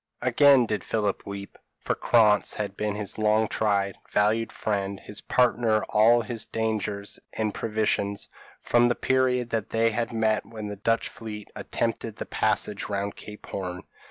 p> Again did Philip weep, for Krantz had been his long tried, valued friend, his partner in all his dangers and privations, from the period that they had met when the Dutch fleet attempted the passage round Cape Horn.